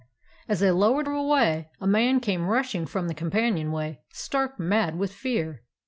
"As they lowered away, a man came rushing from the companionway, stark mad with fear.